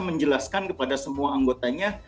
menjelaskan kepada semua anggotanya